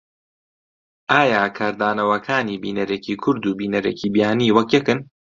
ئایا کاردانەوەکانی بینەرێکی کورد و بینەرێکی بیانی وەک یەکن؟